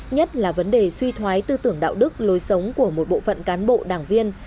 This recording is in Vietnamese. nhất là vấn đề suy thoái tư tưởng đạo đức lối sống của một bộ phận cán bộ đảng viên